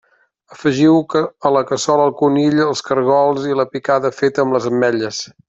Afegiu a la cassola el conill, els caragols i la picada feta amb les ametlles.